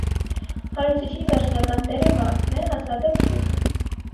Հարուցիչի վերջնական տերը մարդն է, հազվադեպ՝ շունը։